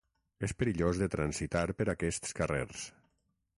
És perillós de transitar per aquests carrers.